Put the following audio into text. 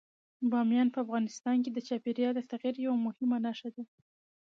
بامیان په افغانستان کې د چاپېریال د تغیر یوه مهمه نښه ده.